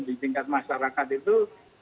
di tingkat masyarakat itu